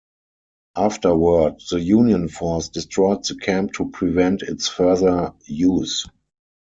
Afterward, the Union force destroyed the camp to prevent its further use.